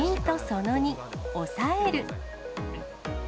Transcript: その２、押さえる。